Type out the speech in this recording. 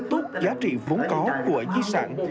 tốt giá trị vốn có của di sản